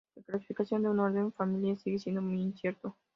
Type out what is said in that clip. La clasificación de su Orden y familia sigue siendo muy incierto.